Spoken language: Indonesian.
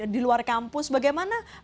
di luar kampus bagaimana